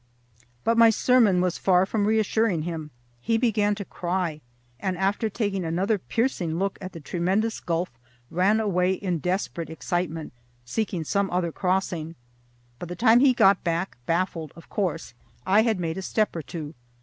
But my sermon was far from reassuring him: he began to cry, and after taking another piercing look at the tremendous gulf, ran away in desperate excitement, seeking some other crossing. By the time he got back, baffled of course, I had made a step or two.